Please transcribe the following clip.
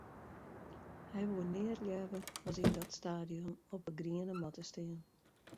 Hy woe neat leaver as yn dat stadion op 'e griene matte stean.